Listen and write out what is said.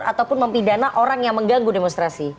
ataupun mempidana orang yang mengganggu demonstrasi